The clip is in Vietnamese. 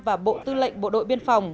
và bộ tư lệnh bộ đội biên phòng